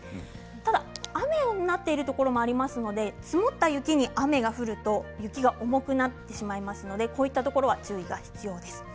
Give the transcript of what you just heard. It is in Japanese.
ただ雨になっているところもありますので積もった雪に雨が降ると雪が重くなってしまいますので、こういったところは注意が必要です。